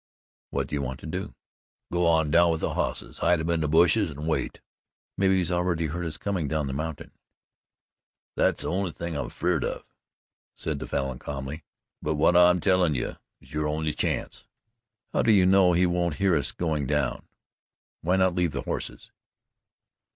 "What do you want to do?" "Go on down with the hosses, hide 'em in the bushes an' wait." "Maybe he's already heard us coming down the mountain." "That's the only thing I'm afeerd of," said the Falin calmly. "But whut I'm tellin' you's our only chance." "How do you know he won't hear us going down? Why not leave the horses?"